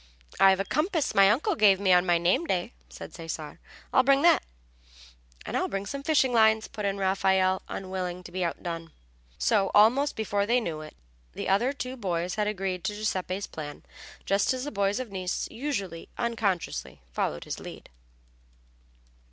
"I've a compass my uncle gave me on my name day," said Cesare. "I'll bring that." "And I'll bring some fishing lines," put in Raffaelle, unwilling to be outdone. So almost before they knew it the other two boys had agreed to Giuseppe's plan, just as the boys of Nice usually unconsciously followed his lead.